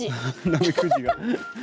ナメクジが。